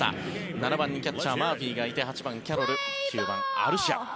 ７番のキャッチャーマーフィーがいて８番、キャロル９番、アルシア。